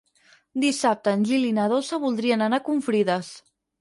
Dissabte en Gil i na Dolça voldrien anar a Confrides.